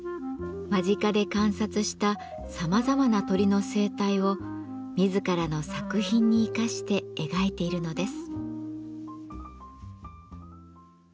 間近で観察したさまざまな鳥の生態を自らの作品に生かして描いているのです。